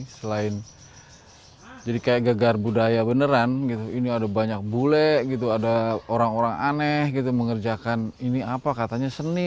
selain jadi kayak gegar budaya beneran gitu ini ada banyak bule gitu ada orang orang aneh gitu mengerjakan ini apa katanya seni